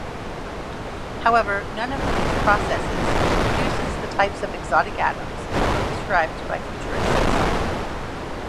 However, none of these processes produces the types of exotic atoms described by futurists.